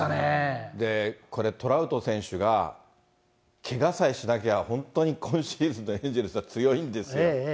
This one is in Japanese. これ、トラウト選手が、けがさえしなきゃ、本当に今シーズンのエンジェルスは強いんですよ。